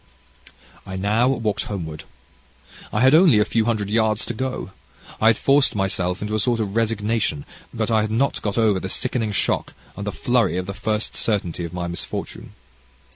"I now walked homeward. I had only a few hundred yards to go. I had forced myself into a sort of resignation, but I had not got over the sickening shock and the flurry of the first certainty of my misfortune.